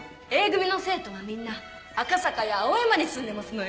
Ａ組の生徒はみんな赤坂や青山に住んでますのよ。